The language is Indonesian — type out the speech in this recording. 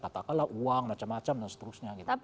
katakanlah uang dan macam macam dan seterusnya